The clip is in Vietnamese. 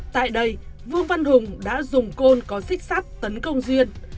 tại đây vương văn hùng đã dùng côn có xích sắt tấn công diên